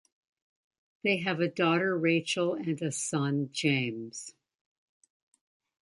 They have a daughter Rachel and a son James.